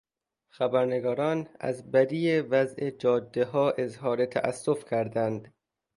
خبرنگاران از بدی وضع جادهها اظهار تاسف کردند.